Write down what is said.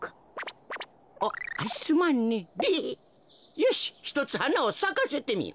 よしひとつはなをさかせてみよ。